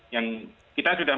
yang kita sudah